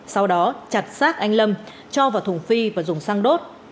sau đó chặt xác anh lâm cho vào thùng phi và dùng xăng đốt